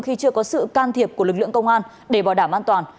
khi chưa có sự can thiệp của lực lượng công an để bảo đảm an toàn